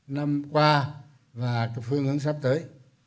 năm qua và phương ứng sắp tới